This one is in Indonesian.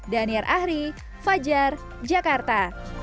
daniar ahri fajar jakarta